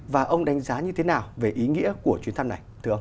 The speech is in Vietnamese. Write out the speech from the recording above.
và ông đánh giá như thế nào về ý nghĩa của chuyến thăm này